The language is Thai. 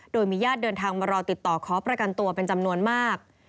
โดยมีญาติเดินทางมารอติดต่อขอประกันตัวเป็นจำนวนมาก